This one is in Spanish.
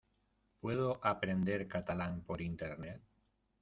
¿Puedo aprender catalán por Internet?